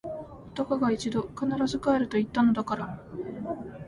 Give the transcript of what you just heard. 男が一度・・・！！！必ず帰ると言ったのだから！！！